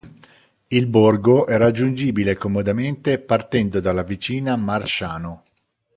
Il borgo è raggiungibile comodamente partendo dalla vicina Marsciano.